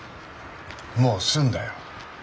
もう済んだよ。